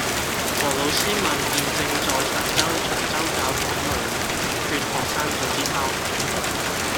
何老師問現正在長洲長洲教堂路勸學生早啲返屋企